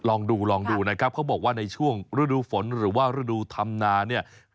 ลองดูลองดูนะครับเขาบอกว่าในช่วงฤดูฝนหรือว่าฤดูธรรมนาเนี่ย